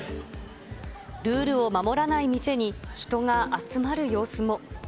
ルールを守らない店に人が集まる様子も。